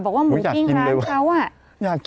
บอกว่าหมูกิ้งร้านเขาอ่ะ